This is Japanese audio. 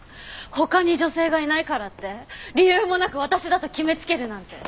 他に女性がいないからって理由もなく私だと決めつけるなんて。